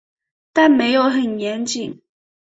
但没有很严谨